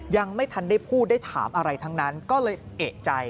ยังไม่ทันได้พูดได้ถามอะไรทั้งนั้นก็เลยเอกใจ